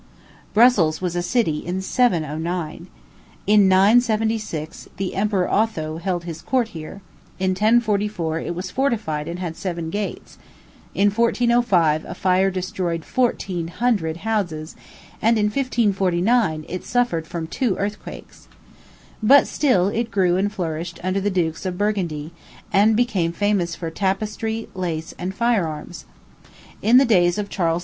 Brussels was a city in 709. In 976, the Emperor Otho held his court there; in 1044, it was fortified and had seven gates; in 1405, a fire destroyed fourteen hundred houses; and in 1549, it suffered from two earthquakes. But still it grew and flourished under the dukes of Burgundy, and became famous for tapestry, lace, and fire arms. In the days of Charles V.